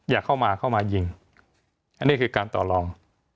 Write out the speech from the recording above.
อย่าเข้ามาเข้ามายิงอันนี้คือการต่อรอง